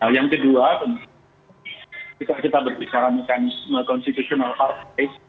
yang kedua kita berbicara tentang konstitusional part